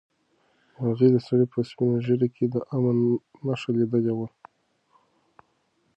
مرغۍ د سړي په سپینه ږیره کې د امن نښه لیدلې وه.